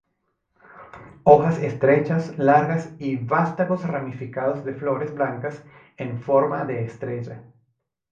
Hojas estrechas, largas y vástagos ramificados de flores blancas en forma de estrella.